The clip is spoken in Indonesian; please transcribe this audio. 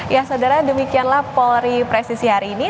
ya saudara demikianlah polri presisi hari ini